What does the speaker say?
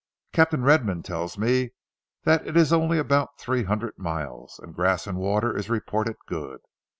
Captain Redman tells me that it's only about three hundred miles, and grass and water is reported good.